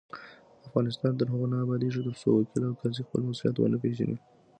افغانستان تر هغو نه ابادیږي، ترڅو وکیل او قاضي خپل مسؤلیت ونه پیژني.